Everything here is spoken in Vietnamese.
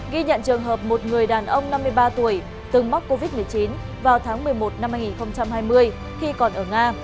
ghi nhận trường hợp một người đàn ông năm mươi ba tuổi từng mắc covid một mươi chín vào tháng một mươi một năm hai nghìn hai mươi khi còn ở nga